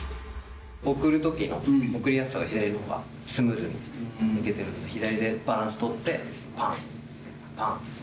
送るときの、送りやすさは左足のほうがスムーズにいけてる、左でバランス取って、ぱーん、ぱーん。